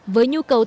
với nhu cầu tết